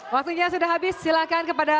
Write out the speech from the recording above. waktunya sudah habis silakan kepada